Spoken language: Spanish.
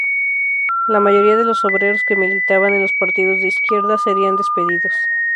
La mayoría de los obreros que militaban en los partidos de izquierda serían despedidos.